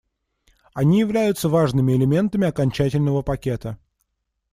Они являются важными элементами окончательного пакета.